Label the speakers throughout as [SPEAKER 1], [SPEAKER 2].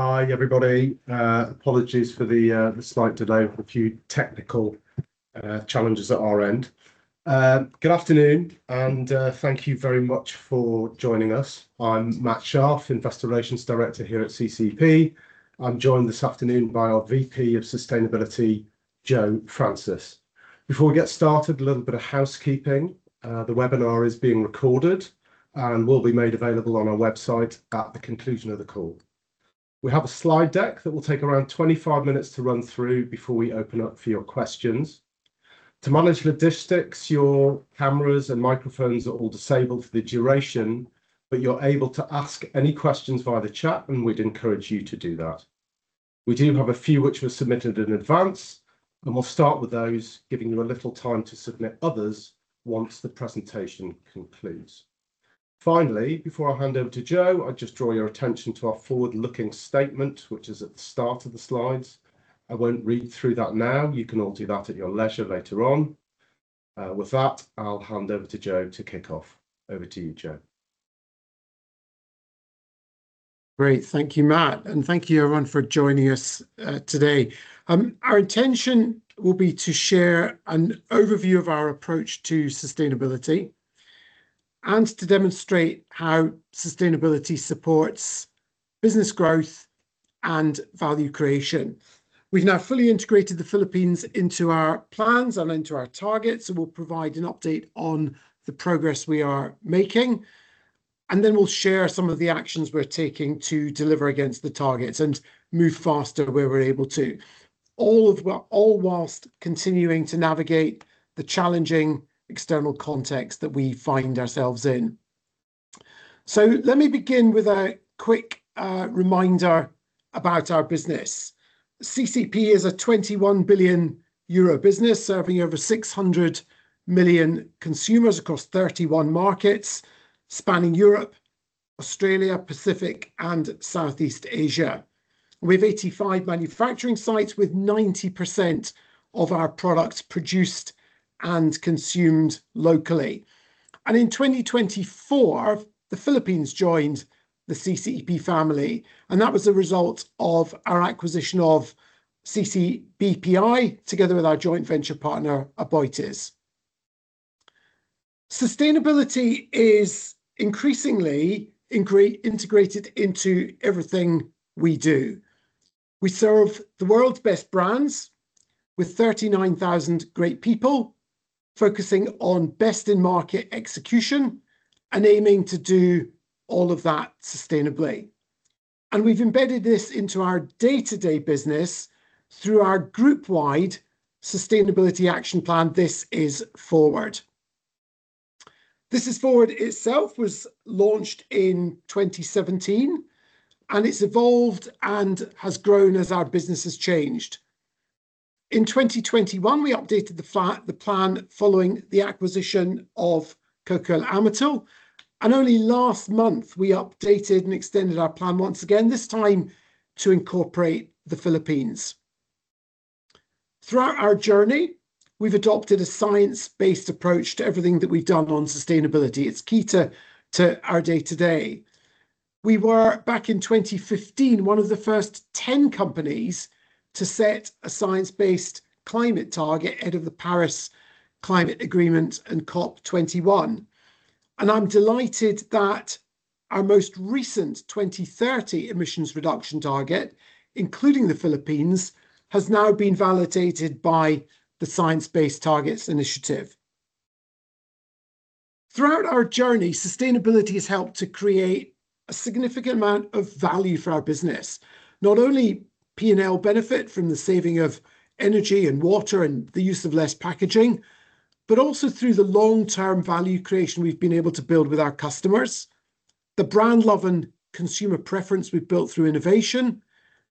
[SPEAKER 1] Hi, everybody. Apologies for the slight delay. We had a few technical challenges at our end. Good afternoon and thank you very much for joining us. I'm Matt Sharff, Investor Relations Director here at CCEP. I'm joined this afternoon by our VP of Sustainability, Joe Franses. Before we get started, a little bit of housekeeping. The webinar is being recorded and will be made available on our website at the conclusion of the call. We have a slide deck that will take around 25 minutes to run through before we open up for your questions. To manage logistics, your cameras and microphones are all disabled for the duration, but you're able to ask any questions via the chat, and we'd encourage you to do that. We do have a few which were submitted in advance, and we'll start with those, giving you a little time to submit others once the presentation concludes. Finally, before I hand over to Joe, I'd just draw your attention to our forward-looking statement, which is at the start of the slides. I won't read through that now. You can all do that at your leisure later on. With that, I'll hand over to Joe to kick off. Over to you, Joe.
[SPEAKER 2] Great. Thank you, Matt. Thank you everyone for joining us today. Our intention will be to share an overview of our approach to sustainability and to demonstrate how sustainability supports business growth and value creation. We've now fully integrated the Philippines into our plans and into our targets. We'll provide an update on the progress we are making. We'll share some of the actions we're taking to deliver against the targets and move faster where we're able to, all whilst continuing to navigate the challenging external context that we find ourselves in. Let me begin with a quick reminder about our business. CCEP is a 21 billion euro business serving over 600 million consumers across 31 markets, spanning Europe, Australia, Pacific, and Southeast Asia. We have 85 manufacturing sites with 90% of our products produced and consumed locally. In 2024, the Philippines joined the CCEP family, and that was a result of our acquisition of CCBPI together with our joint venture partner, Aboitiz. Sustainability is increasingly integrated into everything we do. We serve the world's best brands with 39,000 great people, focusing on best-in-market execution and aiming to do all of that sustainably. We've embedded this into our day-to-day business through our group wide sustainability action plan, This is Forward. This is Forward itself was launched in 2017, and it's evolved and has grown as our business has changed. In 2021, we updated the plan following the acquisition of Coca-Cola Amatil, and only last month we updated and extended our plan once again, this time to incorporate the Philippines. Throughout our journey, we've adopted a science-based approach to everything that we've done on sustainability. It's key to our day to day. We were, back in 2015, one of the first 10 companies to set a science-based climate target ahead of the Paris Agreement and COP21. I'm delighted that our most recent 2030 emissions reduction target, including the Philippines, has now been validated by the Science Based Targets initiative. Throughout our journey, sustainability has helped to create a significant amount of value for our business. Not only P&L benefit from the saving of energy and water and the use of less packaging, but also through the long-term value creation we've been able to build with our customers, the brand love and consumer preference we've built through innovation,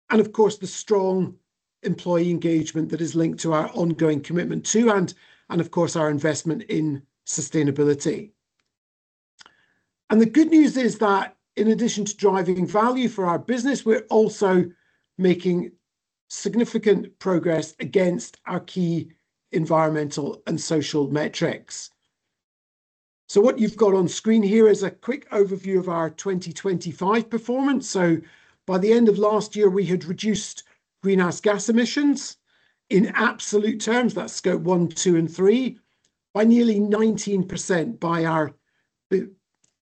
[SPEAKER 2] and of course, the strong employee engagement that is linked to our ongoing commitment to and, of course, our investment in sustainability. The good news is that in addition to driving value for our business, we're also making significant progress against our key environmental and social metrics. What you've got on screen here is a quick overview of our 2025 performance. By the end of last year, we had reduced greenhouse gas emissions in absolute terms, that's Scope one, two, and three, by nearly 19%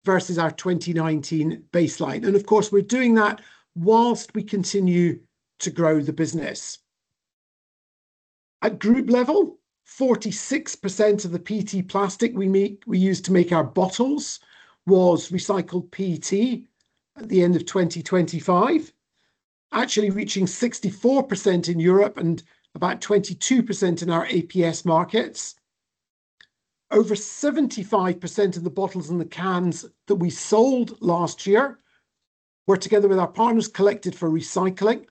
[SPEAKER 2] versus our 2019 baseline. Of course, we're doing that while we continue to grow the business. At group level, 46% of the PET plastic we make, we use to make our bottles was recycled PET at the end of 2025, actually reaching 64% in Europe and about 22% in our APS markets. Over 75% of the bottles and the cans that we sold last year were, together with our partners, collected for recycling.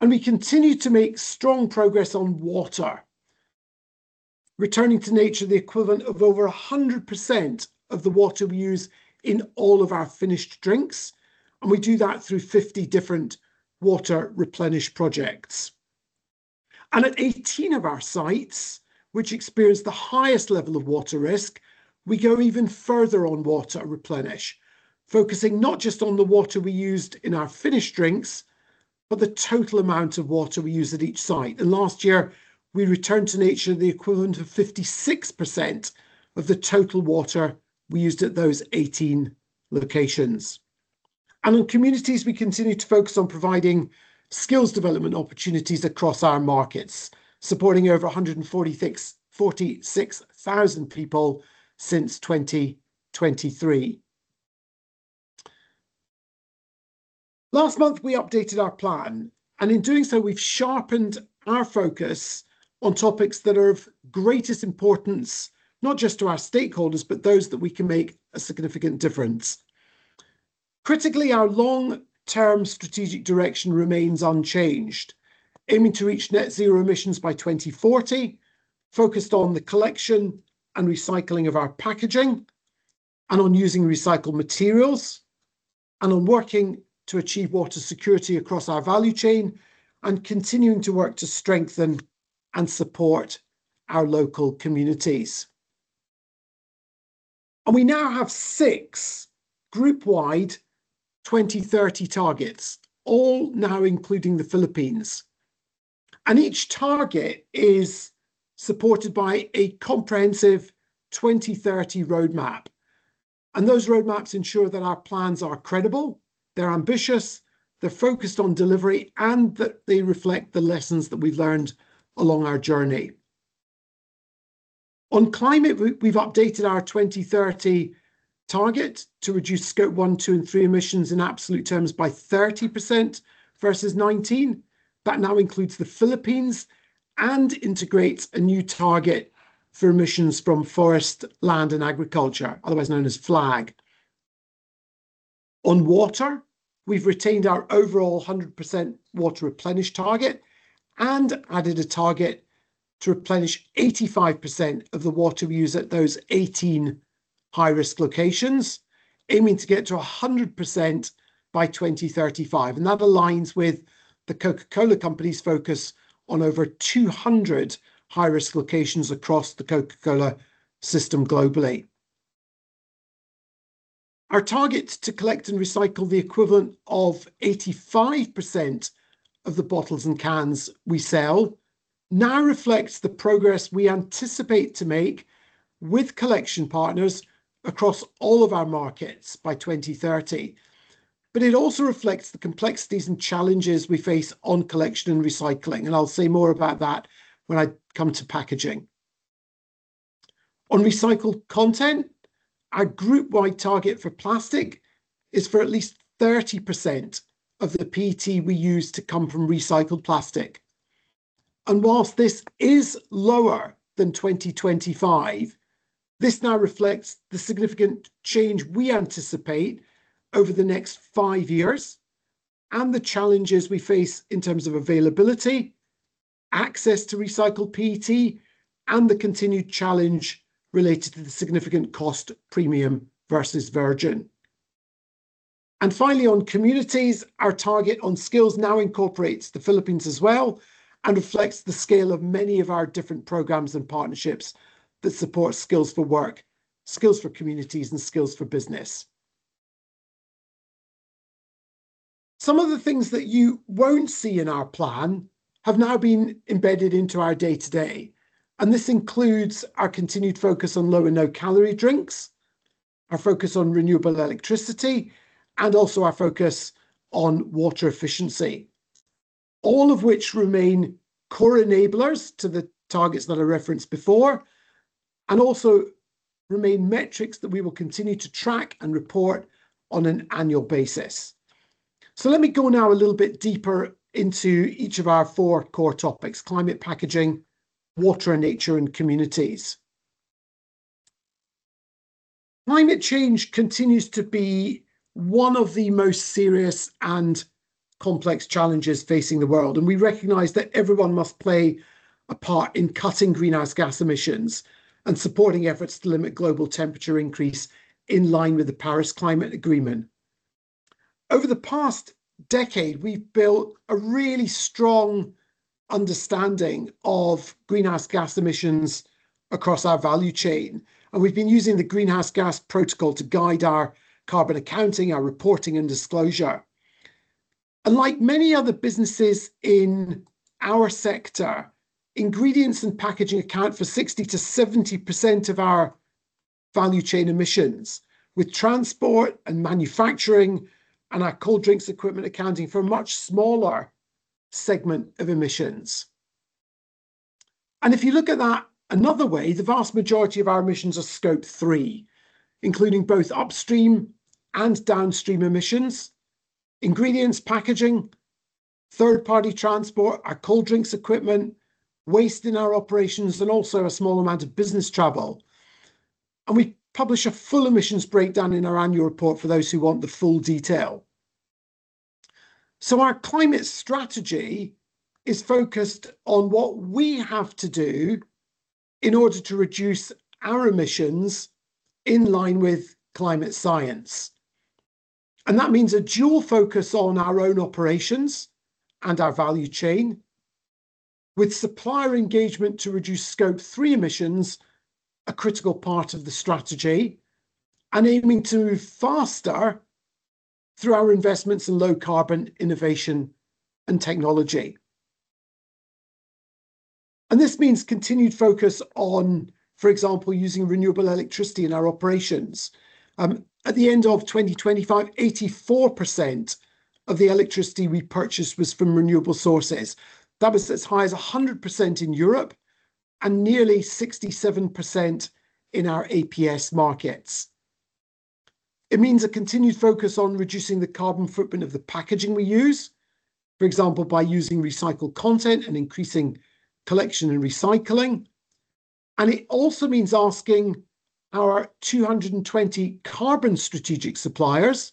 [SPEAKER 2] We continue to make strong progress on water, returning to nature the equivalent of over 100% of the water we use in all of our finished drinks, and we do that through 50 different water replenish projects. At 18 of our sites which experience the highest level of water risk, we go even further on water replenish, focusing not just on the water we used in our finished drinks, but the total amount of water we use at each site. Last year, we returned to nature the equivalent of 56% of the total water we used at those 18 locations. In communities, we continue to focus on providing skills development opportunities across our markets, supporting over 146,000 people since 2023. Last month we updated our plan, in doing so, we've sharpened our focus on topics that are of greatest importance not just to our stakeholders, but those that we can make a significant difference. Critically, our long-term strategic direction remains unchanged, aiming to reach net zero emissions by 2040, focused on the collection and recycling of our packaging, on using recycled materials, on working to achieve water security across our value chain, continuing to work to strengthen and support our local communities. We now have six group-wide 2030 targets, all now including the Philippines, each target is supported by a comprehensive 2030 roadmap. Those roadmaps ensure that our plans are credible, they're ambitious, they're focused on delivery, that they reflect the lessons that we've learned along our journey. On climate, we've updated our 2030 target to reduce Scope one, two, and three emissions in absolute terms by 30% versus 2019. That now includes the Philippines and integrates a new target for emissions from forest, land, and agriculture, otherwise known as FLAG. On water, we've retained our overall 100% water replenish target and added a target to replenish 85% of the water we use at those 18 high-risk locations, aiming to get to 100% by 2035. That aligns with The Coca-Cola Company's focus on over 200 high-risk locations across the Coca-Cola system globally. Our target to collect and recycle the equivalent of 85% of the bottles and cans we sell now reflects the progress we anticipate to make with collection partners across all of our markets by 2030. It also reflects the complexities and challenges we face on collection and recycling, and I'll say more about that when I come to packaging. On recycled content, our group-wide target for plastic is for at least 30% of the PET we use to come from recycled plastic. Whilst this is lower than 2025, this now reflects the significant change we anticipate over the next five years and the challenges we face in terms of availability, access to recycled PET, and the continued challenge related to the significant cost premium versus virgin. Finally, on communities, our target on skills now incorporates the Philippines as well and reflects the scale of many of our different programs and partnerships that support skills for work, skills for communities, and skills for business. Some of the things that you won't see in our plan have now been embedded into our day-to-day, and this includes our continued focus on low and no-calorie drinks, our focus on renewable electricity, and also our focus on water efficiency, all of which remain core enablers to the targets that I referenced before, and also remain metrics that we will continue to track and report on an annual basis. Let me go now a little bit deeper into each of our four core topics: climate, packaging, water and nature, and communities. Climate change continues to be one of the most serious and complex challenges facing the world, we recognize that everyone must play a part in cutting greenhouse gas emissions and supporting efforts to limit global temperature increase in line with the Paris Agreement. Over the past decade, we've built a really strong understanding of greenhouse gas emissions across our value chain. We've been using the Greenhouse Gas Protocol to guide our carbon accounting, our reporting, and disclosure. Like many other businesses in our sector, ingredients and packaging account for 60%-70% of our value chain emissions, with transport and manufacturing and our cold drinks equipment accounting for a much smaller segment of emissions. If you look at that another way, the vast majority of our emissions are Scope three, including both upstream and downstream emissions, ingredients, packaging, third-party transport, our cold drinks equipment, waste in our operations, and also a small amount of business travel. We publish a full emissions breakdown in our annual report for those who want the full detail. Our climate strategy is focused on what we have to do in order to reduce our emissions in line with climate science. That means a dual focus on our own operations and our value chain with supplier engagement to reduce Scope three emissions, a critical part of the strategy, and aiming to move faster through our investments in low carbon innovation and technology. This means continued focus on, for example, using renewable electricity in our operations. At the end of 2025, 84% of the electricity we purchased was from renewable sources. That was as high as 100% in Europe and nearly 67% in our APS markets. It means a continued focus on reducing the carbon footprint of the packaging we use, for example, by using recycled content and increasing collection and recycling. It also means asking our 220 carbon strategic suppliers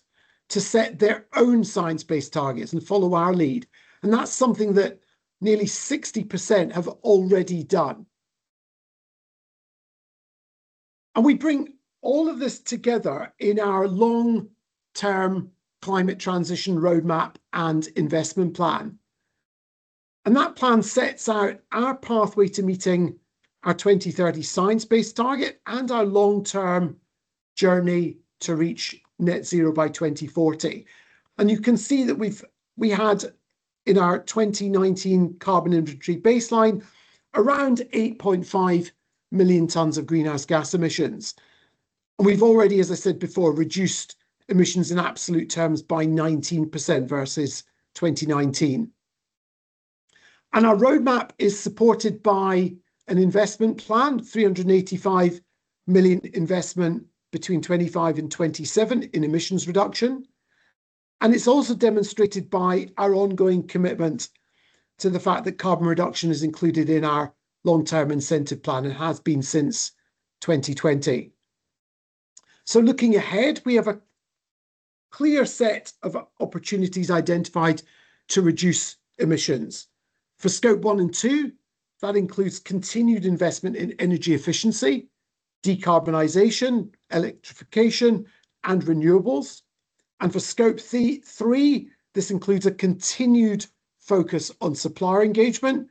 [SPEAKER 2] to set their own science-based targets and follow our lead. That's something that nearly 60% have already done. We bring all of this together in our long-term climate transition roadmap and investment plan. That plan sets out our pathway to meeting our 2030 science-based target and our long-term journey to reach net zero by 2040. You can see that we had in our 2019 carbon inventory baseline around 8.5 million tons of greenhouse gas emissions. We've already, as I said before, reduced emissions in absolute terms by 19% versus 2019. Our roadmap is supported by an investment plan, 385 million investment between 2025 and 2027 in emissions reduction. It's also demonstrated by our ongoing commitment to the fact that carbon reduction is included in our long-term incentive plan and has been since 2020. Looking ahead, we have a clear set of opportunities identified to reduce emissions. For Scope one and two, that includes continued investment in energy efficiency, decarbonization, electrification, and renewables. For Scope three, this includes a continued focus on supplier engagement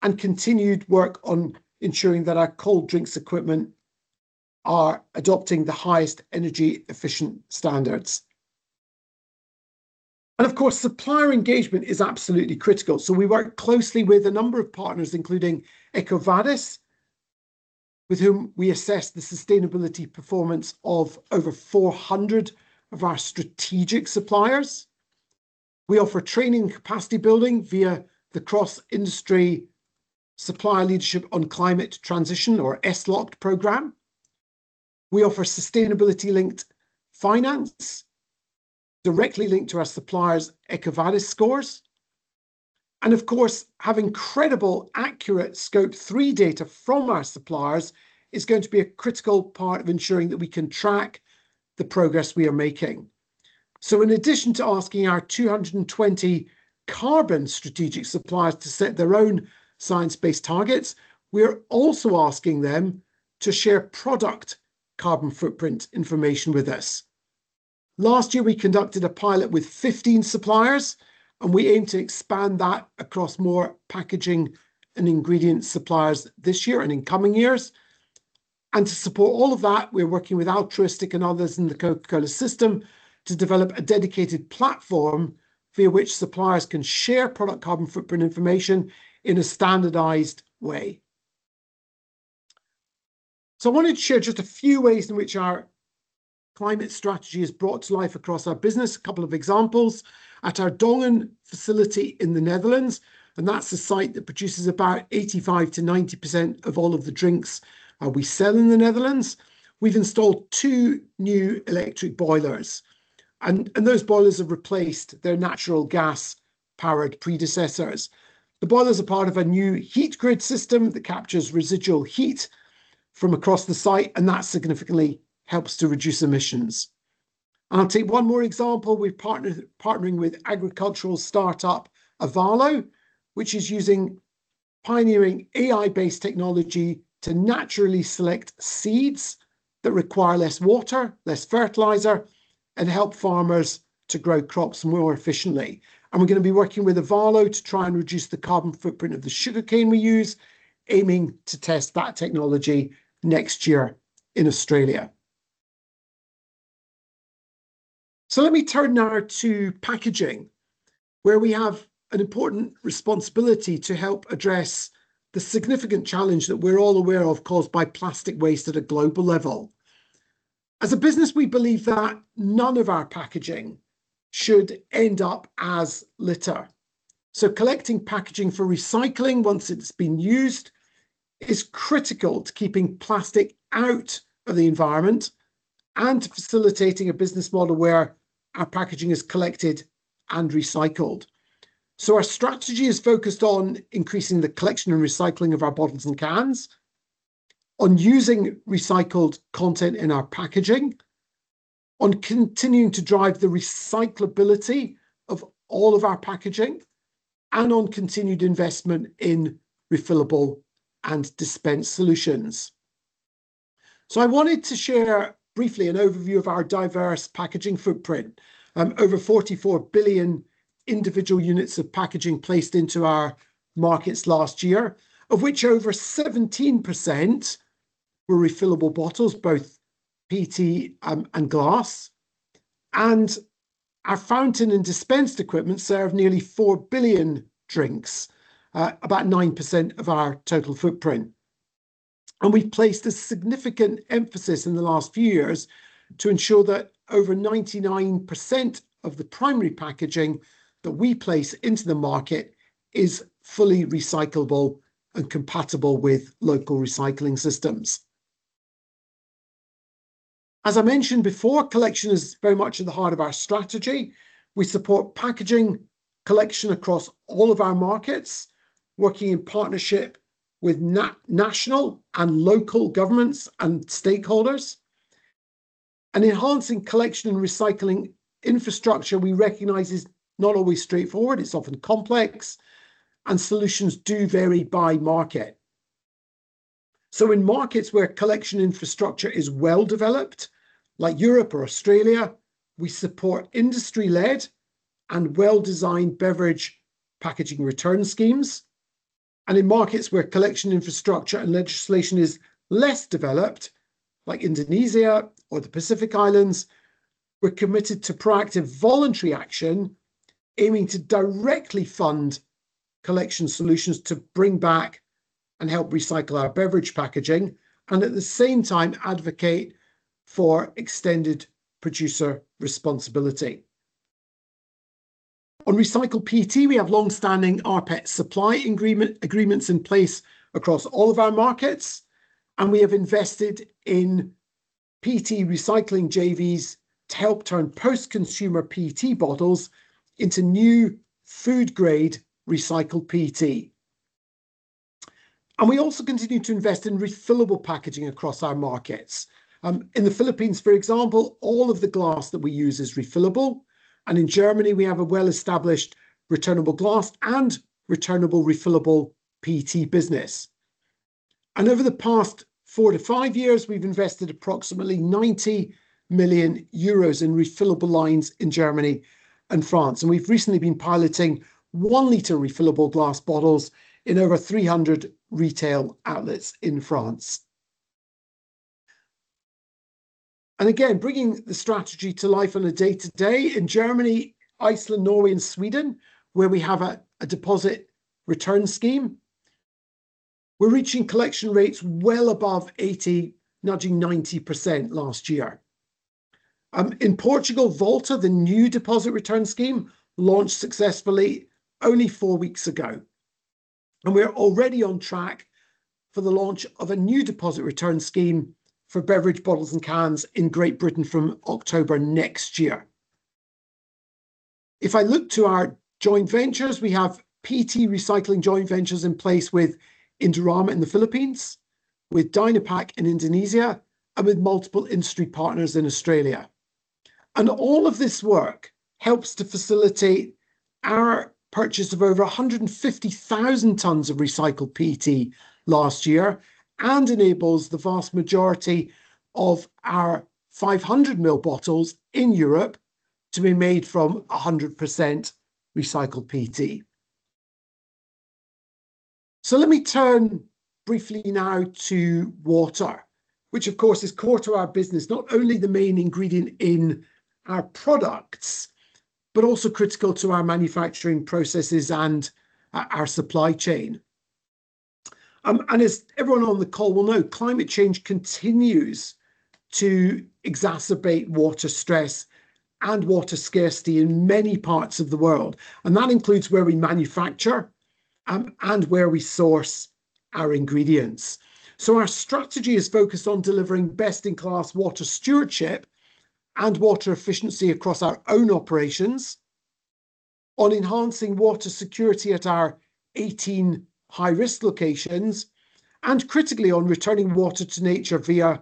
[SPEAKER 2] and continued work on ensuring that our cold drinks equipment are adopting the highest energy-efficient standards. Of course, supplier engagement is absolutely critical, so we work closely with a number of partners, including EcoVadis, with whom we assess the sustainability performance of over 400 of our strategic suppliers. We offer training capacity building via the Cross-Industry Supplier Leadership on Climate Transition, or SLoCT program. We offer sustainability-linked finance directly linked to our suppliers' EcoVadis scores. Of course, having credible, accurate Scope three data from our suppliers is going to be a critical part of ensuring that we can track the progress we are making. In addition to asking our 220 carbon strategic suppliers to set their own science-based targets, we're also asking them to share product carbon footprint information with us. Last year, we conducted a pilot with 15 suppliers, and we aim to expand that across more packaging and ingredient suppliers this year and in coming years. To support all of that, we're working with Altruistiq and others in the Coca-Cola system to develop a dedicated platform via which suppliers can share product carbon footprint information in a standardized way. I wanted to share just a few ways in which our climate strategy is brought to life across our business. A couple of examples. At our Dongen facility in the Netherlands, that's the site that produces about 85%-90% of all of the drinks we sell in the Netherlands, we've installed two new electric boilers. Those boilers have replaced their natural gas-powered predecessors. The boilers are part of a new heat grid system that captures residual heat from across the site, that significantly helps to reduce emissions. I'll take one more example. We've partnering with agricultural startup Avalo, which is using pioneering AI-based technology to naturally select seeds that require less water, less fertilizer, and help farmers to grow crops more efficiently. We're gonna be working with Avalo to try and reduce the carbon footprint of the sugarcane we use, aiming to test that technology next year in Australia. Let me turn now to packaging, where we have an important responsibility to help address the significant challenge that we're all aware of caused by plastic waste at a global level. As a business, we believe that none of our packaging should end up as litter. Collecting packaging for recycling once it's been used is critical to keeping plastic out of the environment and facilitating a business model where our packaging is collected and recycled. Our strategy is focused on increasing the collection and recycling of our bottles and cans, on using recycled content in our packaging, on continuing to drive the recyclability of all of our packaging, and on continued investment in refillable and dispense solutions. I wanted to share briefly an overview of our diverse packaging footprint. Over 44 billion individual units of packaging placed into our markets last year, of which over 17% were refillable bottles, both PET and glass. Our fountain and dispensed equipment served nearly 4 billion drinks, about 9% of our total footprint. We've placed a significant emphasis in the last few years to ensure that over 99% of the primary packaging that we place into the market is fully recyclable and compatible with local recycling systems. As I mentioned before, collection is very much at the heart of our strategy. We support packaging collection across all of our markets, working in partnership with national and local governments and stakeholders. Enhancing collection and recycling infrastructure, we recognize, is not always straightforward. It's often complex, and solutions do vary by market. In markets where collection infrastructure is well-developed, like Europe or Australia, we support industry-led and well-designed beverage packaging return schemes. In markets where collection infrastructure and legislation is less developed, like Indonesia or the Pacific Islands, we're committed to proactive voluntary action, aiming to directly fund collection solutions to bring back and help recycle our beverage packaging and at the same time advocate for Extended Producer Responsibility. On recycled PET, we have long-standing rPET supply agreements in place across all of our markets, and we have invested in PET recycling JVs to help turn post-consumer PET bottles into new food-grade recycled PET. We also continue to invest in refillable packaging across our markets. In the Philippines, for example, all of the glass that we use is refillable, and in Germany, we have a well-established returnable glass and returnable refillable PET business. Over the past four to five years, we've invested approximately 90 million euros in refillable lines in Germany and France, and we've recently been piloting 1 L refillable glass bottles in over 300 retail outlets in France. Again, bringing the strategy to life on a day to day, in Germany, Iceland, Norway, and Sweden, where we have a deposit return scheme, we're reaching collection rates well above 80, nudging 90% last year. In Portugal, Volta, the new deposit return scheme, launched successfully only four weeks ago. We're already on track for the launch of a new deposit return scheme for beverage bottles and cans in Great Britain from October next year. If I look to our joint ventures, we have PET recycling joint ventures in place with Indorama in the Philippines, with Dynapack in Indonesia, and with multiple industry partners in Australia. All of this work helps to facilitate our purchase of over 150,000 tons of recycled PET last year and enables the vast majority of our 500 million bottles in Europe to be made from 100% recycled PET. Let me turn briefly now to water, which of course is core to our business, not only the main ingredient in our products, but also critical to our manufacturing processes and our supply chain. As everyone on the call will know, climate change continues to exacerbate water stress and water scarcity in many parts of the world, and that includes where we manufacture and where we source our ingredients. Our strategy is focused on delivering best-in-class water stewardship and water efficiency across our own operations, on enhancing water security at our 18 high-risk locations, and critically on returning water to nature via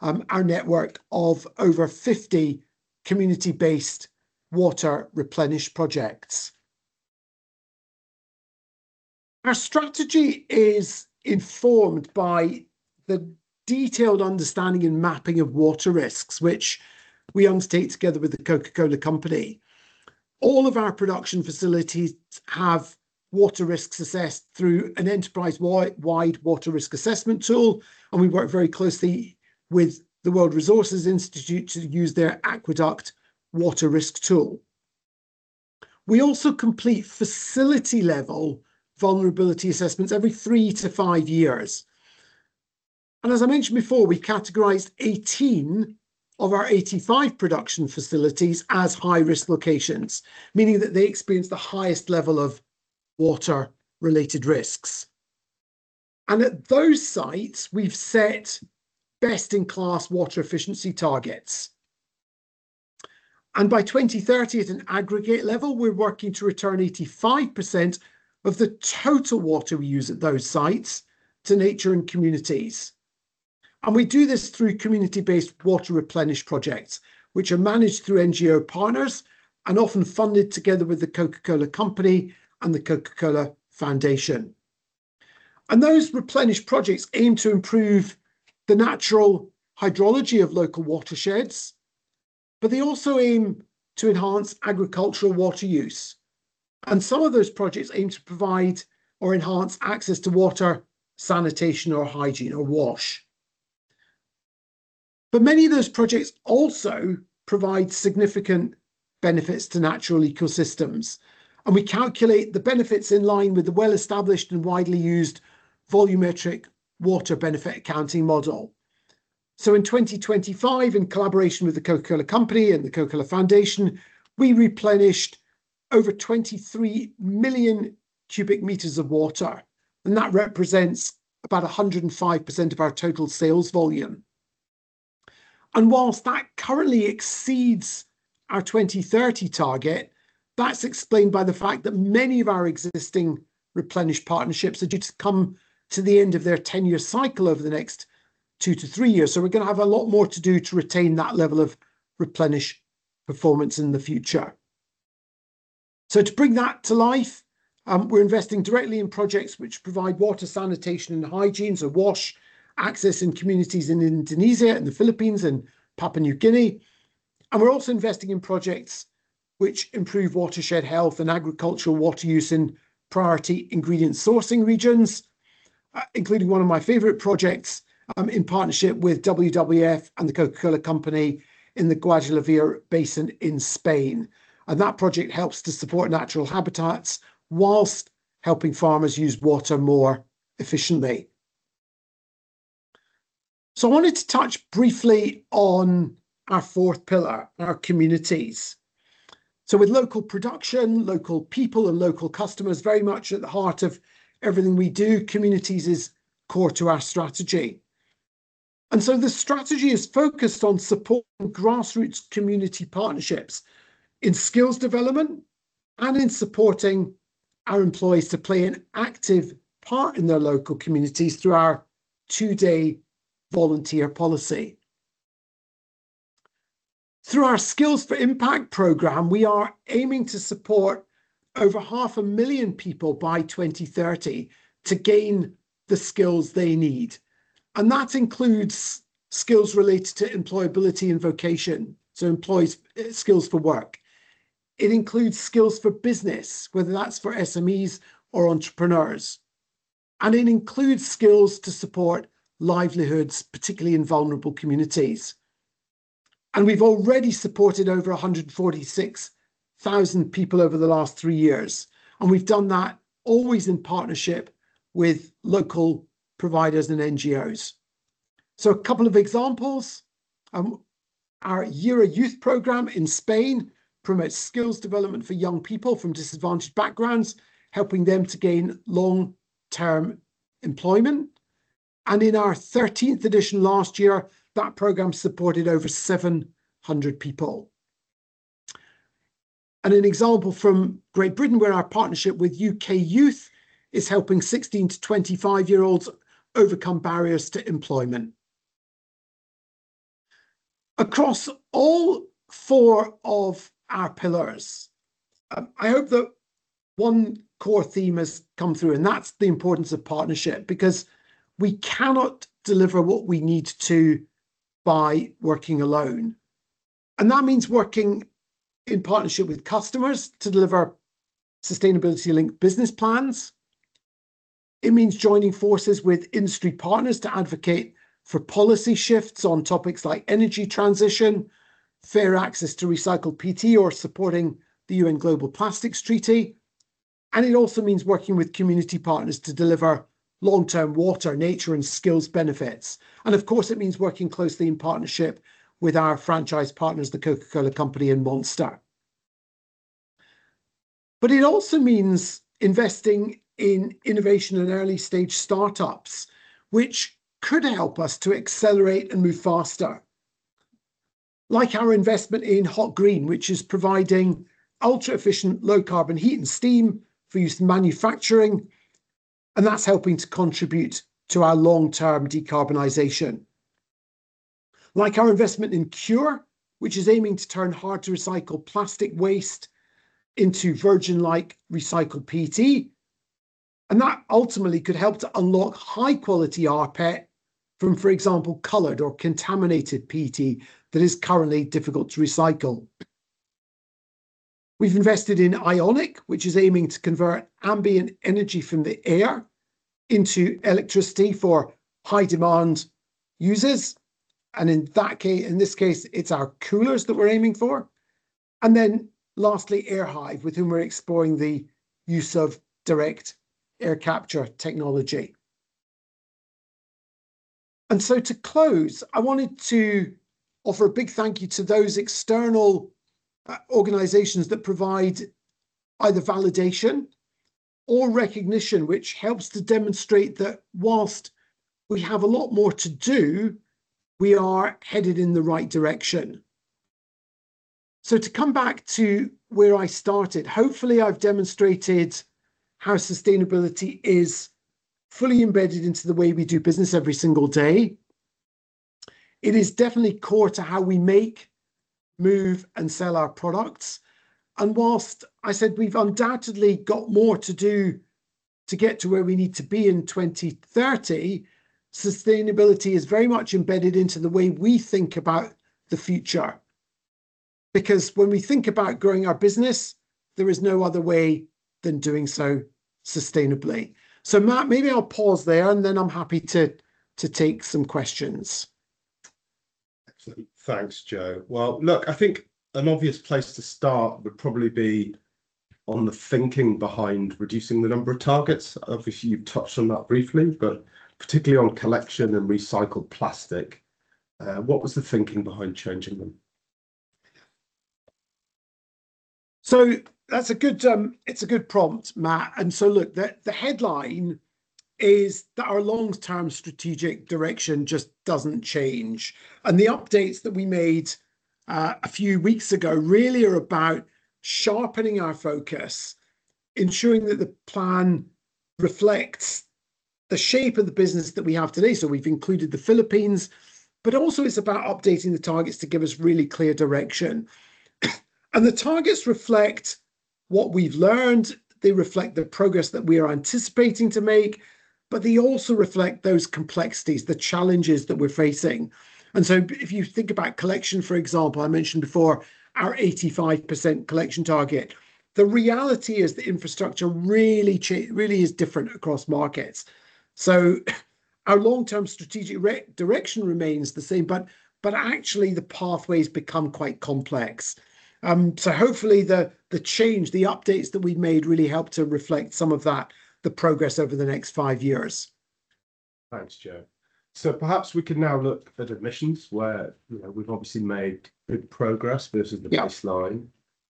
[SPEAKER 2] our network of over 50 community-based water replenish projects. Our strategy is informed by the detailed understanding and mapping of water risks, which we undertake together with The Coca-Cola Company. All of our production facilities have water risks assessed through an enterprise-wide water risk assessment tool, and we work very closely with the World Resources Institute to use their Aqueduct water risk tool. We also complete facility-level vulnerability assessments every three-five years. As I mentioned before, we categorized 18 of our 85 production facilities as high-risk locations, meaning that they experience the highest level of water-related risks. At those sites, we've set best-in-class water efficiency targets. By 2030, at an aggregate level, we're working to return 85% of the total water we use at those sites to nature and communities. We do this through community-based water replenish projects, which are managed through NGO partners and often funded together with The Coca-Cola Company and The Coca-Cola Foundation. Those replenish projects aim to improve the natural hydrology of local watersheds, but they also aim to enhance agricultural water use. Some of those projects aim to provide or enhance access to water, sanitation or hygiene, or WASH. Many of those projects also provide significant benefits to natural ecosystems, and we calculate the benefits in line with the well-established and widely used Volumetric Water Benefit Accounting model. In 2025, in collaboration with The Coca-Cola Company and The Coca-Cola Foundation, we replenished over 23 million cubic meters of water, and that represents about 105% of our total sales volume. Whilst that currently exceeds our 2030 target, that's explained by the fact that many of our existing replenish partnerships are due to come to the end of their 10-year cycle over the next two to three years. We're gonna have a lot more to do to retain that level of replenish performance in the future. To bring that to life, we're investing directly in projects which provide Water, Sanitation and Hygiene, so WASH access in communities in Indonesia and the Philippines and Papua New Guinea. We're also investing in projects which improve watershed health and agricultural water use in priority ingredient sourcing regions, including one of my favorite projects, in partnership with WWF and The Coca-Cola Company in the Guadalquivir Basin in Spain. That project helps to support natural habitats whilst helping farmers use water more efficiently. I wanted to touch briefly on our fourth pillar, our communities. With local production, local people and local customers very much at the heart of everything we do, communities is core to our strategy. The strategy is focused on supporting grassroots community partnerships in skills development and in supporting our employees to play an active part in their local communities through our two-day volunteer policy. Through our Skills for Impact program, we are aiming to support over 0.5 million people by 2030 to gain the skills they need, that includes skills related to employability and vocation, so skills for work. It includes skills for business, whether that's for SMEs or entrepreneurs, it includes skills to support livelihoods, particularly in vulnerable communities. We've already supported over 146,000 people over the last three years, we've done that always in partnership with local providers and NGOs. A couple of examples. Our GIRA Jóvenes program in Spain promotes skills development for young people from disadvantaged backgrounds, helping them to gain long-term employment. In our 13th edition last year, that program supported over 700 people. An example from Great Britain, where our partnership with UK Youth is helping 16 to 25-year-olds overcome barriers to employment. Across all four of our pillars, I hope that one core theme has come through, and that's the importance of partnership, because we cannot deliver what we need to by working alone. That means working in partnership with customers to deliver sustainability-linked business plans. It means joining forces with industry partners to advocate for policy shifts on topics like energy transition, fair access to recycled PET or supporting the UN Global Plastics Treaty. It also means working with community partners to deliver long-term water, nature and skills benefits. Of course, it means working closely in partnership with our franchise partners, The Coca-Cola Company and Monster. It also means investing in innovation and early-stage startups, which could help us to accelerate and move faster. Like our investment in HoSt Green, which is providing ultra-efficient low-carbon heat and steam for use in manufacturing. That's helping to contribute to our long-term decarbonization. Like our investment in CuRe, which is aiming to turn hard-to-recycle plastic waste into virgin-like recycled PET. That ultimately could help to unlock high-quality rPET from, for example, colored or contaminated PET that is currently difficult to recycle. We've invested in Ioniqa, which is aiming to convert ambient energy from the air into electricity for high-demand users. In this case, it's our coolers that we're aiming for. Lastly, Airhive, with whom we're exploring the use of direct air capture technology. To close, I wanted to offer a big thank you to those external organizations that provide either validation or recognition, which helps to demonstrate that while we have a lot more to do, we are headed in the right direction. To come back to where I started, hopefully, I've demonstrated how sustainability is fully embedded into the way we do business every single day. It is definitely core to how we make, move, and sell our products. While I said we've undoubtedly got more to do to get to where we need to be in 2030, sustainability is very much embedded into the way we think about the future. When we think about growing our business, there is no other way than doing so sustainably. Matt Sharff, maybe I'll pause there, and then I'm happy to take some questions.
[SPEAKER 1] Excellent. Thanks, Joe. Well, look, I think an obvious place to start would probably be on the thinking behind reducing the number of targets. Obviously, you've touched on that briefly. Particularly on collection and recycled plastic, what was the thinking behind changing them?
[SPEAKER 2] That's a good, it's a good prompt, Matt. Look, the headline is that our long-term strategic direction just doesn't change, and the updates that we made a few weeks ago really are about sharpening our focus, ensuring that the plan reflects the shape of the business that we have today, so we've included the Philippines. Also it's about updating the targets to give us really clear direction. The targets reflect what we've learned, they reflect the progress that we are anticipating to make, but they also reflect those complexities, the challenges that we're facing. If you think about collection, for example, I mentioned before our 85% collection target, the reality is the infrastructure really is different across markets. Our long-term strategic direction remains the same, but actually the pathway's become quite complex. So hopefully the change, the updates that we've made really help to reflect some of that, the progress over the next five years.
[SPEAKER 1] Thanks, Joe. Perhaps we can now look at emissions where, you know, we've obviously made good progress versus.
[SPEAKER 2] Yeah...
[SPEAKER 1] the baseline,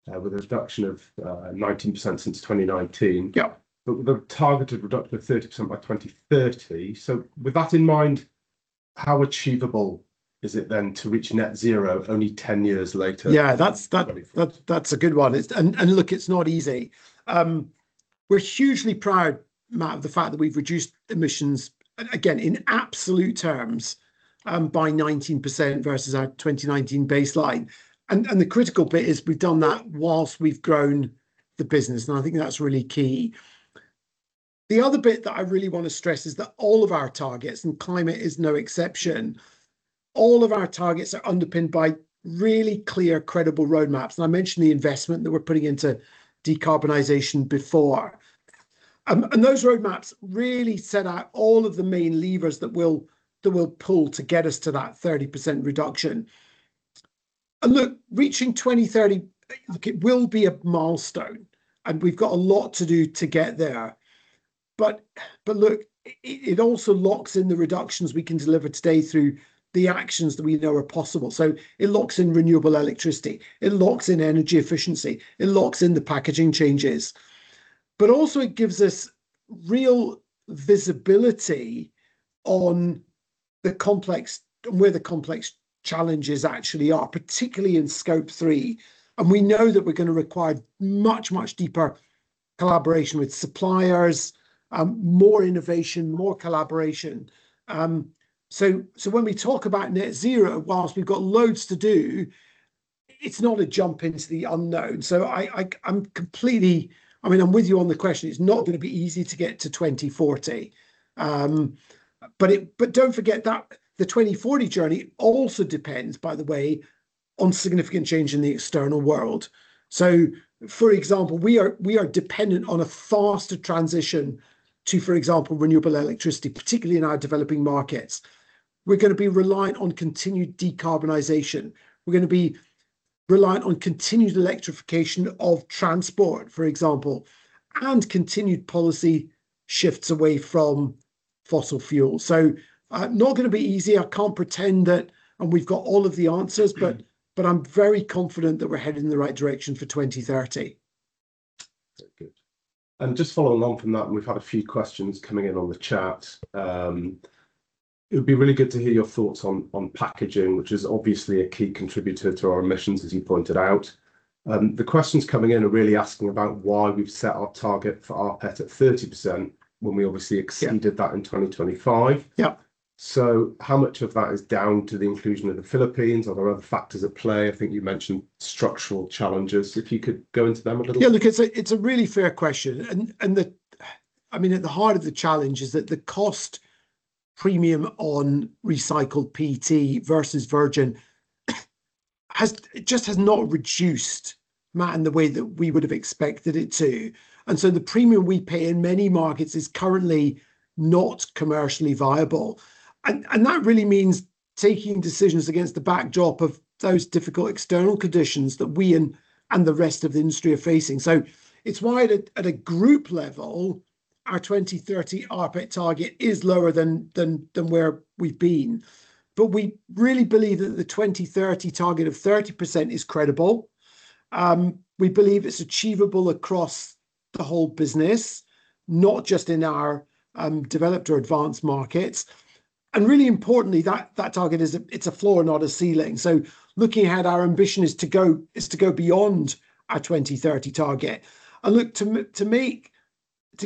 [SPEAKER 1] with a reduction of 19% since 2019.
[SPEAKER 2] Yeah.
[SPEAKER 1] The targeted reduction of 30% by 2030. With that in mind, how achievable is it then to reach net zero only 10 years later?
[SPEAKER 2] Yeah. That's.
[SPEAKER 1] 30
[SPEAKER 2] That's a good one. It's not easy. We're hugely proud, Matt, of the fact that we've reduced emissions, again, in absolute terms, by 19% versus our 2019 baseline. The critical bit is we've done that whilst we've grown the business, and I think that's really key. The other bit that I really wanna stress is that all of our targets, and climate is no exception, all of our targets are underpinned by really clear, credible roadmaps, and I mentioned the investment that we're putting into decarbonization before. Those roadmaps really set out all of the main levers that we'll pull to get us to that 30% reduction. Reaching 2030, it will be a milestone, and we've got a lot to do to get there. Look, it also locks in the reductions we can deliver today through the actions that we know are possible. It locks in renewable electricity, it locks in energy efficiency, it locks in the packaging changes. Also it gives us real visibility on the complex, where the complex challenges actually are, particularly in Scope 3, and we know that we're going to require much, much deeper collaboration with suppliers, more innovation, more collaboration. When we talk about net zero, whilst we've got loads to do, it's not a jump into the unknown. I mean, I'm with you on the question, it's not going to be easy to get to 2040. Don't forget that the 2040 journey also depends, by the way, on significant change in the external world. For example, we are dependent on a faster transition to, for example, renewable electricity, particularly in our developing markets. We are going to be reliant on continued decarbonization. We are going to be reliant on continued electrification of transport, for example, and continued policy shifts away from fossil fuel. Not going to be easy. I can't pretend that, and we've got all of the answers.
[SPEAKER 1] Mm-hmm.
[SPEAKER 2] I'm very confident that we're headed in the right direction for 2030.
[SPEAKER 1] Very good. Just following on from that, and we've had a few questions coming in on the chat. It would be really good to hear your thoughts on packaging, which is obviously a key contributor to our emissions, as you pointed out. The questions coming in are really asking about why we've set our target for rPET at 30% when we obviously exceeded-
[SPEAKER 2] Yeah
[SPEAKER 1] that in 2025.
[SPEAKER 2] Yeah.
[SPEAKER 1] How much of that is down to the inclusion of the Philippines? Are there other factors at play? I think you mentioned structural challenges. If you could go into them a little.
[SPEAKER 2] Yeah, look, it's a really fair question. I mean, at the heart of the challenge is that the cost premium on recycled PET versus virgin has not reduced, Matt, in the way that we would've expected it to. The premium we pay in many markets is currently not commercially viable. That really means taking decisions against the backdrop of those difficult external conditions that we and the rest of the industry are facing. It's why at a group level, our 2030 rPET target is lower than where we've been. We really believe that the 2030 target of 30% is credible. We believe it's achievable across the whole business, not just in our developed or advanced markets. Really importantly, that target is a floor, not a ceiling. Looking ahead, our ambition is to go beyond our 2030 target. Look, to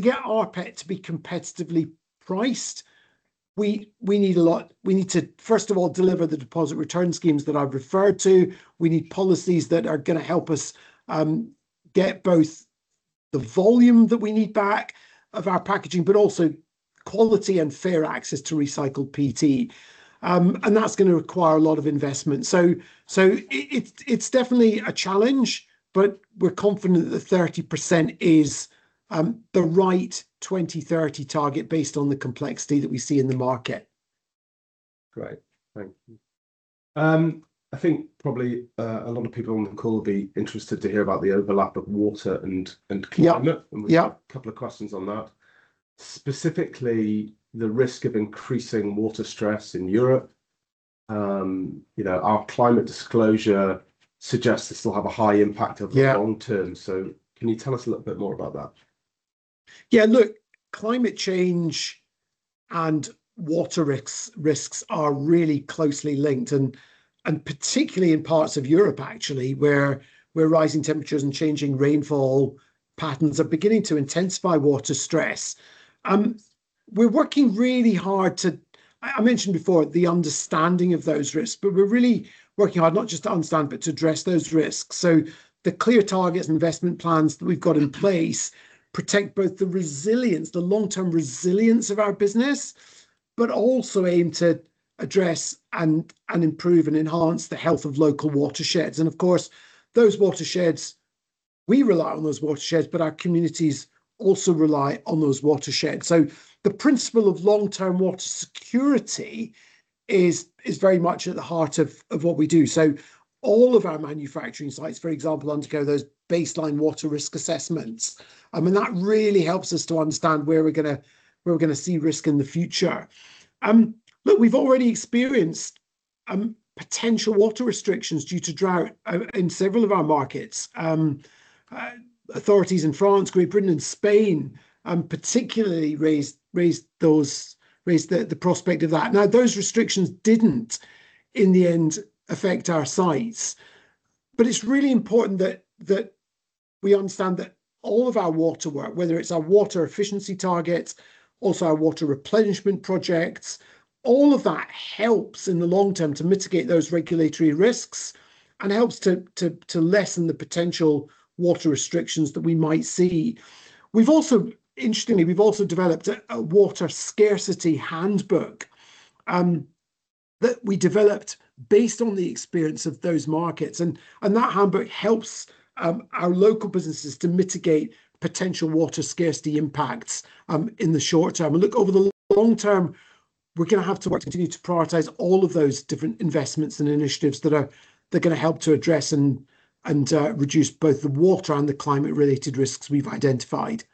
[SPEAKER 2] get our PET to be competitively priced, we need a lot. We need to, first of all, deliver the deposit return schemes that I've referred to. We need policies that are gonna help us get both the volume that we need back of our packaging, but also quality and fair access to recycled PET. That's gonna require a lot of investment. It's definitely a challenge, but we're confident that the 30% is the right 2030 target based on the complexity that we see in the market.
[SPEAKER 1] Great. Thank you. I think probably a lot of people on the call will be interested to hear about the overlap of water and climate.
[SPEAKER 2] Yeah, yeah.
[SPEAKER 1] We've got a couple of questions on that. Specifically, the risk of increasing water stress in Europe. You know, our climate disclosure suggests they still have a high impact.
[SPEAKER 2] Yeah
[SPEAKER 1] long term. Can you tell us a little bit more about that?
[SPEAKER 2] Yeah, look, climate change and water risks are really closely linked, and particularly in parts of Europe actually, where rising temperatures and changing rainfall patterns are beginning to intensify water stress. I mentioned before, the understanding of those risks, but we're really working hard not just to understand, but to address those risks. The clear targets and investment plans that we've got in place protect both the resilience, the long-term resilience of our business, but also aim to address and improve and enhance the health of local watersheds. Of course, those watersheds, we rely on those watersheds, but our communities also rely on those watersheds. The principle of long-term water security is very much at the heart of what we do. All of our manufacturing sites, for example, undergo those baseline water risk assessments. I mean, that really helps us to understand where we're gonna see risk in the future. Look, we've already experienced potential water restrictions due to drought in several of our markets. Authorities in France, Great Britain, and Spain particularly raised the prospect of that. Those restrictions didn't in the end affect our sites, but it's really important that we understand that all of our water work, whether it's our water efficiency targets, also our water replenishment projects, all of that helps in the long term to mitigate those regulatory risks and helps to lessen the potential water restrictions that we might see. We've also, interestingly, we've also developed a water scarcity handbook that we developed based on the experience of those markets and that handbook helps our local businesses to mitigate potential water scarcity impacts in the short term. Look, over the long term, we're gonna have to work, continue to prioritize all of those different investments and initiatives that are gonna help to address and reduce both the water and the climate related risks we've identified.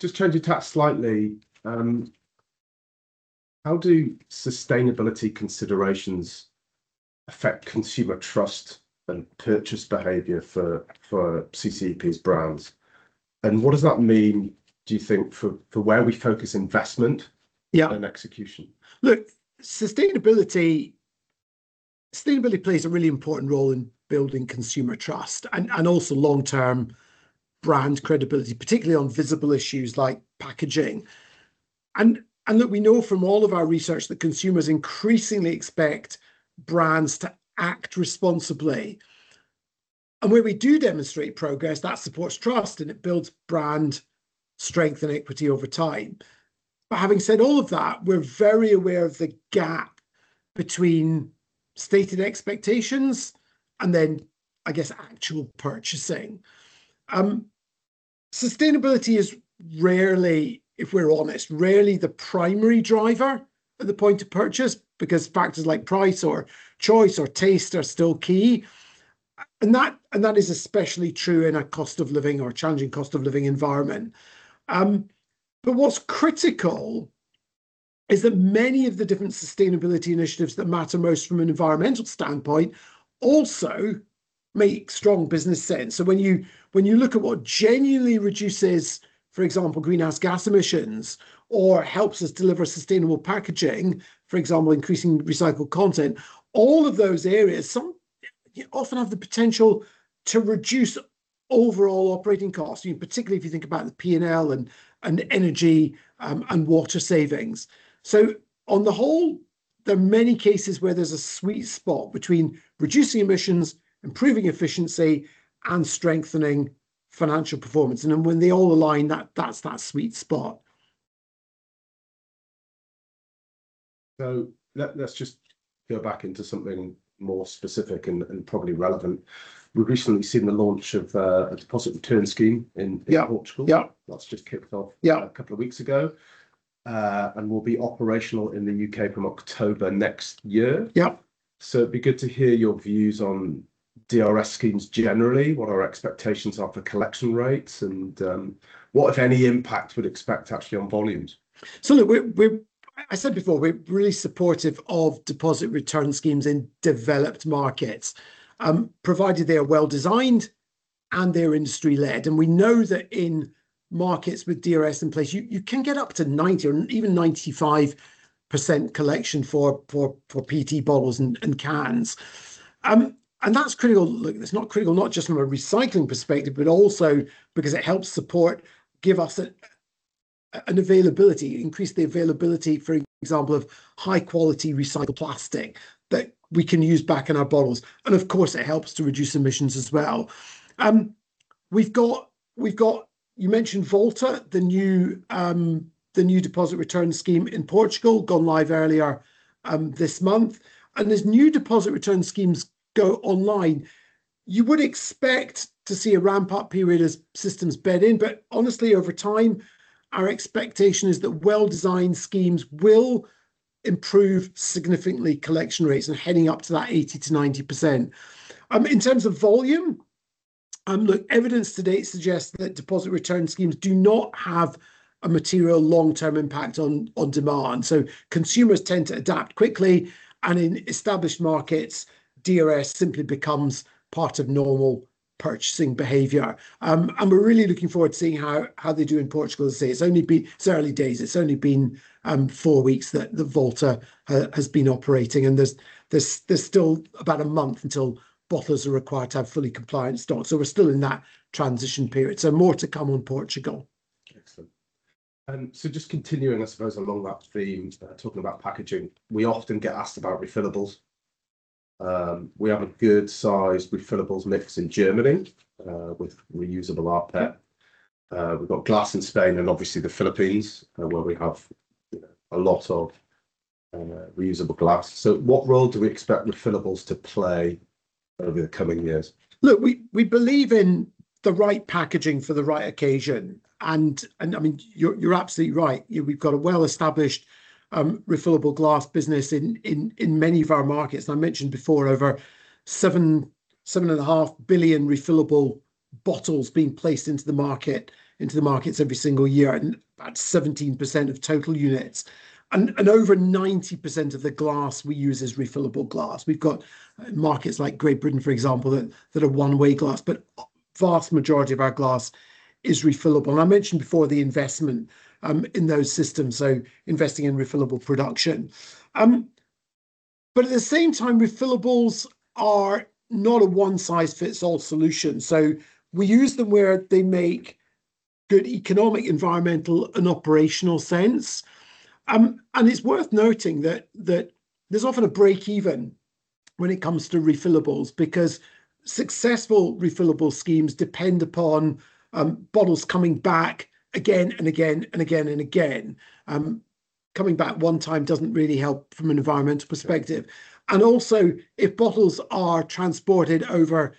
[SPEAKER 1] Just changing tack slightly. How do sustainability considerations affect consumer trust and purchase behavior for CCEP's brands? What does that mean, do you think, for where we focus investment.
[SPEAKER 2] Yeah
[SPEAKER 1] execution?
[SPEAKER 2] Look, sustainability plays a really important role in building consumer trust and also long-term brand credibility, particularly on visible issues like packaging. Look, we know from all of our research that consumers increasingly expect brands to act responsibly. Where we do demonstrate progress, that supports trust and it builds brand strength and equity over time. Having said all of that, we're very aware of the gap between stated expectations and then, I guess, actual purchasing. Sustainability is rarely, if we're honest, rarely the primary driver at the point of purchase because factors like price or choice or taste are still key. And that is especially true in a cost of living or challenging cost of living environment. What's critical is that many of the different sustainability initiatives that matter most from an environmental standpoint also make strong business sense. When you look at what genuinely reduces, for example, greenhouse gas emissions, or helps us deliver sustainable packaging, for example, increasing recycled content, all of those areas often have the potential to reduce overall operating costs. You know, particularly if you think about the P&L and energy and water savings. On the whole, there are many cases where there's a sweet spot between reducing emissions, improving efficiency, and strengthening financial performance, and then when they all align, that's that sweet spot.
[SPEAKER 1] Let's just go back into something more specific and probably relevant. We've recently seen the launch of a deposit return scheme in Portugal.
[SPEAKER 2] Yeah, yeah.
[SPEAKER 1] That's just kicked off.
[SPEAKER 2] Yeah
[SPEAKER 1] A couple of weeks ago, and will be operational in the U.K. from October next year.
[SPEAKER 2] Yeah.
[SPEAKER 1] It'd be good to hear your views on DRS schemes generally, what our expectations are for collection rates, and what, if any, impact we'd expect actually on volumes.
[SPEAKER 2] Look, I said before, we're really supportive of deposit return schemes in developed markets, provided they're well designed and they're industry-led. We know that in markets with DRS in place, you can get up to 90% or even 95% collection for PET bottles and cans. That's critical. Look, it's not critical not just from a recycling perspective, but also because it helps support give us an availability, increase the availability, for example, of high quality recycled plastic that we can use back in our bottles. Of course, it helps to reduce emissions as well. We've got, you mentioned Volta, the new deposit return scheme in Portugal, gone live earlier this month. As new deposit return schemes go online, you would expect to see a ramp-up period as systems bed in, but honestly, over time, our expectation is that well-designed schemes will improve significantly collection rates and heading up to that 80%-90%. In terms of volume, look, evidence to date suggests that deposit return schemes do not have a material long-term impact on demand, so consumers tend to adapt quickly, and in established markets, DRS simply becomes part of normal purchasing behavior. We're really looking forward to seeing how they do in Portugal. As I say, it's only been, it's early days. It's only been 4 weeks that the Volta has been operating, and there's still about a month until bottlers are required to have fully compliant stocks, so we're still in that transition period. More to come on Portugal.
[SPEAKER 1] Excellent. Just continuing, I suppose along that theme, talking about packaging, we often get asked about refillables. We have a good sized refillables mix in Germany with reusable rPET. We've got glass in Spain and obviously the Philippines, where we have, you know, a lot of reusable glass. What role do we expect refillables to play over the coming years?
[SPEAKER 2] We believe in the right packaging for the right occasion. I mean, you're absolutely right. You know, we've got a well-established refillable glass business in many of our markets. I mentioned before over 7.5 billion refillable bottles being placed into the markets every single year, and about 17% of total units. Over 90% of the glass we use is refillable glass. We've got markets like Great Britain, for example, that are one-way glass, but vast majority of our glass is refillable. I mentioned before the investment in those systems, investing in refillable production. At the same time, refillables are not a one-size-fits-all solution. We use them where they make good economic, environmental, and operational sense. It's worth noting that there's often a break even when it comes to refillables because successful refillable schemes depend upon bottles coming back again and again and again and again. Coming back one time doesn't really help from an environmental perspective. Also, if bottles are transported over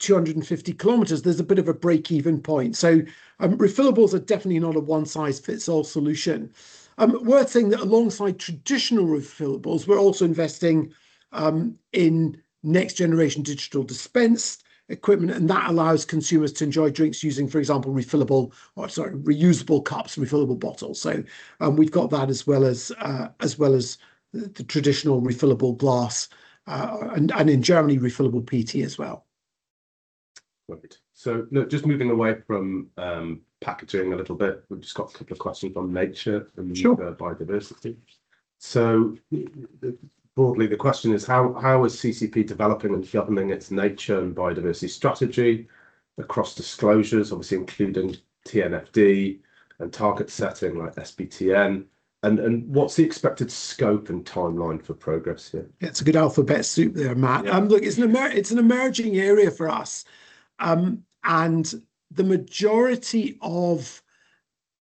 [SPEAKER 2] 250 km, there's a bit of a break even point. Refillables are definitely not a 1-size-fits-all solution. Worth saying that alongside traditional refillables, we're also investing in next generation digital dispense equipment, and that allows consumers to enjoy drinks using, for example, refillable or, sorry, reusable cups and refillable bottles. We've got that as well as as well as the traditional refillable glass and in Germany, refillable PET as well.
[SPEAKER 1] Right. Look, just moving away from packaging a little bit, we've just got a couple of questions on nature.
[SPEAKER 2] Sure...
[SPEAKER 1] and biodiversity. Broadly, the question is how is CCEP developing and sharpening its nature and biodiversity strategy across disclosures, obviously including TNFD and target setting like SBTN, and what's the expected scope and timeline for progress here?
[SPEAKER 2] It's a good alphabet soup there, Matt.
[SPEAKER 1] Yeah.
[SPEAKER 2] Look, it's an emerging area for us. The majority of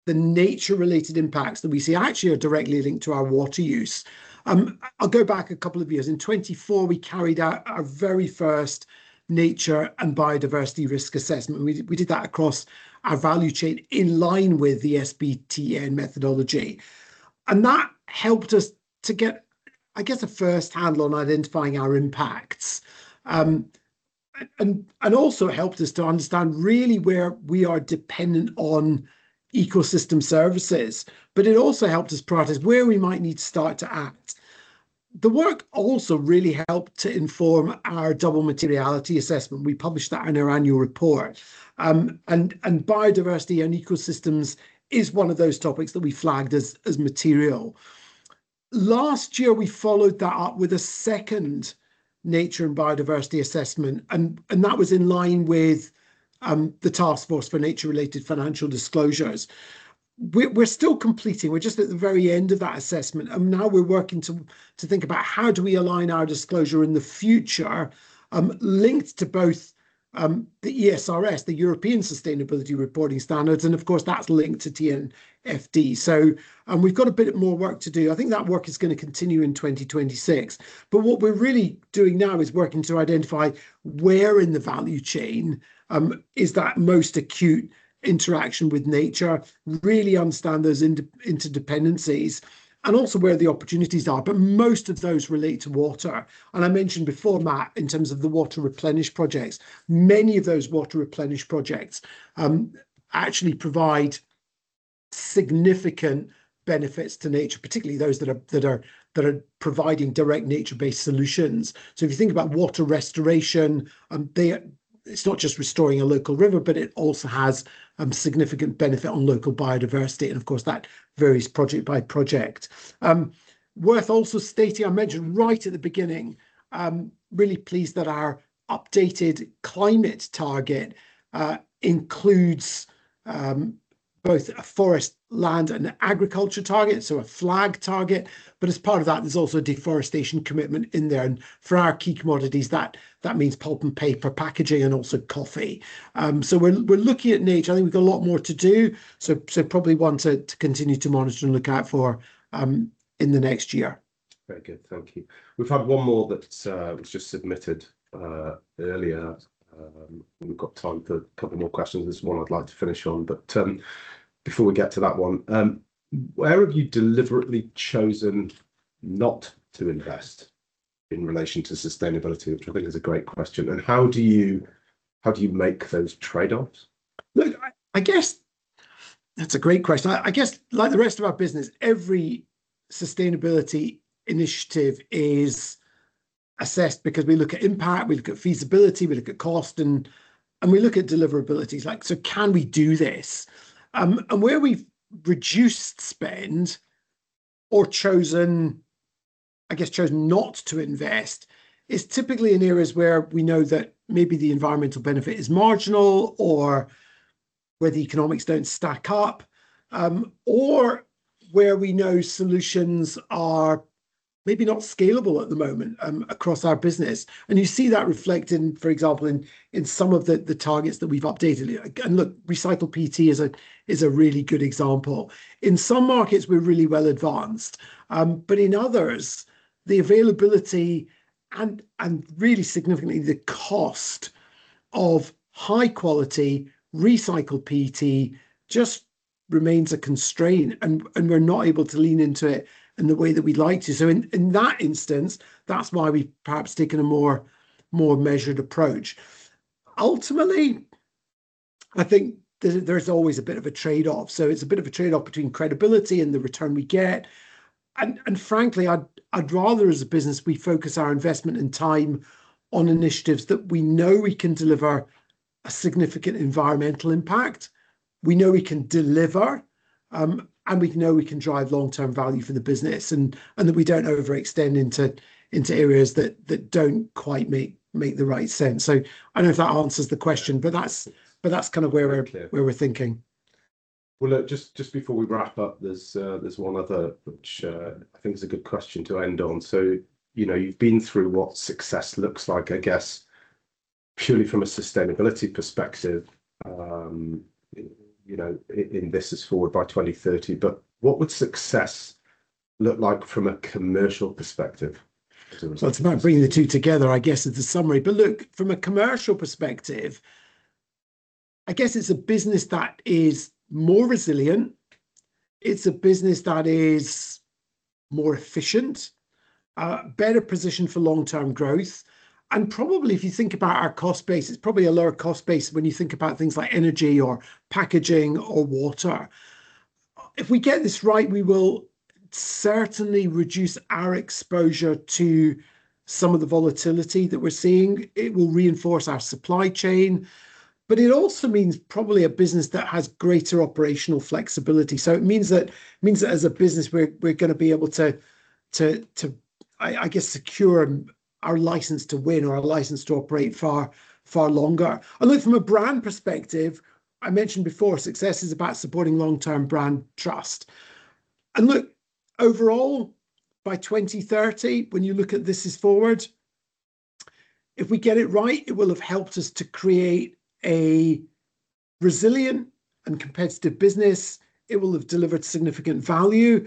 [SPEAKER 2] the nature related impacts that we see actually are directly linked to our water use. I'll go back a couple of years. In 2024, we carried out our very first nature and biodiversity risk assessment, and we did that across our value chain in line with the SBTN methodology. That helped us to get, I guess, a first handle on identifying our impacts, and also helped us to understand really where we are dependent on ecosystem services. It also helped us prioritize where we might need to start to act. The work also really helped to inform our double materiality assessment. We published that in our annual report. Biodiversity and ecosystems is one of those topics that we flagged as material. Last year, we followed that up with a second nature and biodiversity assessment, and that was in line with the Taskforce on Nature-related Financial Disclosures. We're still completing, we're just at the very end of that assessment. Now we're working to think about how do we align our disclosure in the future, linked to both the ESRS, the European Sustainability Reporting Standards, and of course that's linked to TNFD. We've got a bit more work to do. I think that work is gonna continue in 2026. What we're really doing now is working to identify where in the value chain is that most acute interaction with nature, really understand those interdependencies, and also where the opportunities are. Most of those relate to water. I mentioned before, Matt, in terms of the water replenish projects, many of those water replenish projects actually provide significant benefits to nature, particularly those that are providing direct nature-based solutions. If you think about water restoration, It's not just restoring a local river, but it also has significant benefit on local biodiversity, and of course, that varies project by project. Worth also stating, I mentioned right at the beginning, really pleased that our updated climate target includes both a Forest, Land and Agriculture target, so a FLAG target, but as part of that, there's also a deforestation commitment in there, and for our key commodities, that means pulp and paper packaging and also coffee. We're looking at nature. I think we've got a lot more to do, so probably one to continue to monitor and look out for in the next year.
[SPEAKER 1] Very good. Thank you. We've had one more that's was just submitted earlier. We've got time for two more questions. There's one I'd like to finish on. Before we get to that one, where have you deliberately chosen not to invest in relation to sustainability, which I think is a great question, and how do you, how do you make those trade-offs?
[SPEAKER 2] Look, I guess that's a great question. I guess, like the rest of our business, every sustainability initiative is assessed because we look at impact, we look at feasibility, we look at cost, and we look at deliverability. It's like, can we do this? Where we've reduced spend or chosen, I guess, not to invest is typically in areas where we know that maybe the environmental benefit is marginal or where the economics don't stack up, or where we know solutions are maybe not scalable at the moment, across our business. You see that reflected, for example, in some of the targets that we've updated. Again, look, recycled PET is a really good example. In some markets we're really well advanced, but in others, the availability and really significantly, the cost of high quality recycled PET just remains a constraint, and we're not able to lean into it in the way that we'd like to. In that instance, that's why we've perhaps taken a more measured approach. Ultimately, I think there's always a bit of a trade-off, it's a bit of a trade-off between credibility and the return we get. Frankly, I'd rather, as a business, we focus our investment and time on initiatives that we know we can deliver a significant environmental impact, we know we can deliver, and we know we can drive long-term value for the business, and that we don't overextend into areas that don't quite make the right sense. I don't know if that answers the question.
[SPEAKER 1] Yeah.
[SPEAKER 2] That's kind of where.
[SPEAKER 1] Very clear.
[SPEAKER 2] where we're thinking.
[SPEAKER 1] Look, just before we wrap up, there's one other which I think is a good question to end on. You know, you've been through what success looks like, I guess, purely from a sustainability perspective, you know, in This Is Forward by 2030, but what would success look like from a commercial perspective to?
[SPEAKER 2] It's about bringing the two together, I guess, is the summary. Look, from a commercial perspective, I guess it's a business that is more resilient. It's a business that is more efficient, better positioned for long-term growth, and probably if you think about our cost base, it's probably a lower cost base when you think about things like energy or packaging or water. If we get this right, we will certainly reduce our exposure to some of the volatility that we're seeing. It will reinforce our supply chain. It also means probably a business that has greater operational flexibility, so it means that as a business we're gonna be able to, I guess, secure our license to win or our license to operate far, far longer. Look, from a brand perspective, I mentioned before, success is about supporting long-term brand trust. Look, overall, by 2030, when you look at This Is Forward, if we get it right, it will have helped us to create a resilient and competitive business. It will have delivered significant value.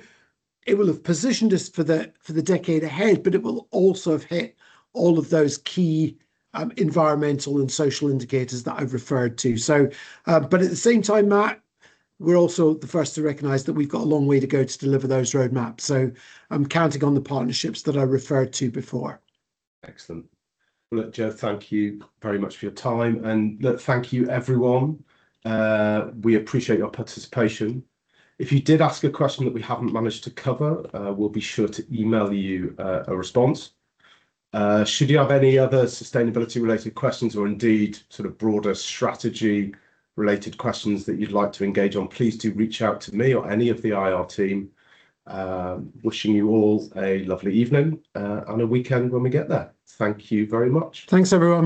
[SPEAKER 2] It will have positioned us for the decade ahead, but it will also have hit all of those key environmental and social indicators that I've referred to. But at the same time, Matt, we're also the first to recognize that we've got a long way to go to deliver those roadmaps, so I'm counting on the partnerships that I referred to before.
[SPEAKER 1] Excellent. Well, look, Joe, thank you very much for your time. Look, thank you, everyone. We appreciate your participation. If you did ask a question that we haven't managed to cover, we'll be sure to email you a response. Should you have any other sustainability related questions or indeed sort of broader strategy related questions that you'd like to engage on, please do reach out to me or any of the IR team. Wishing you all a lovely evening and a weekend when we get there. Thank you very much.
[SPEAKER 2] Thanks everyone.